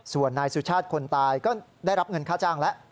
ส่วนนายสุชาติคนตายก็ได้รับเงินค่าจ้างแล้ว